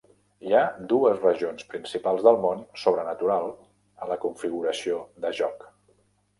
Hi ha dues regions principals del món sobrenatural a la configuració de joc.